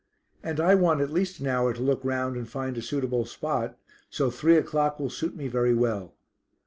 "And I want at least an hour to look round and find a suitable spot; so three o'clock will suit me very well."